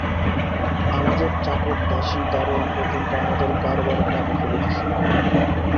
আমাদের চাকর দাসী দরোয়ান পর্যন্ত আমাদের কারবারে টাকা ফেলিতেছে।